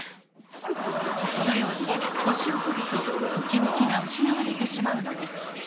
このように年を取るとトキメキが失われてしまうのです。